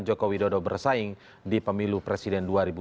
joko widodo bersaing di pemilu presiden dua ribu sembilan belas